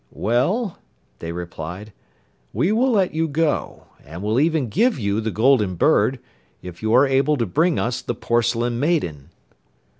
'Well,' they replied, 'we will let you go, and will even give you the Golden Bird, if you are able to bring us the Porcelain Maiden.